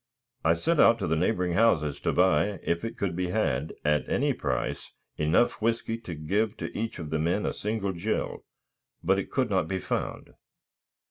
I sent out to the neighboring houses to buy, if it could be had, at any price, enough whisky to give to each of the men a single gill, but it could not be found.